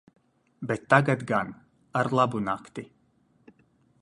Bet tagad gan - ar labu nakti...